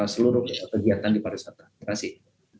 seluruh kegiatan di pariwisata terima kasih